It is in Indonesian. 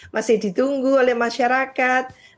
masih ditunggu oleh masyarakat